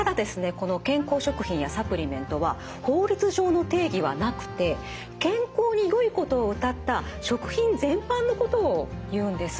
この健康食品やサプリメントは法律上の定義はなくて健康によいことをうたった食品全般のことをいうんです。